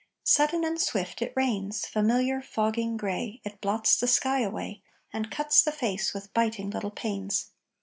Sudden and swift, it rains! Familiar, fogging, gray; It blots the sky away And cuts the face with biting little pains.